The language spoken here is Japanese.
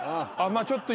ちょっと。